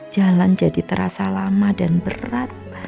jalan jadi terasa lama dan berat